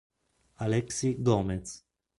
Alexi Gómez